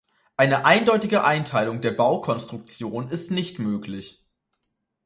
Eine eindeutige Einteilung der Baukonstruktion ist nicht möglich.